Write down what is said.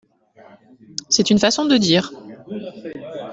C'est une façon de dire !